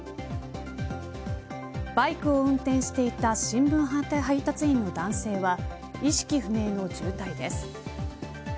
バイクを運転していた新聞配達員の男性は意識不明の重体です。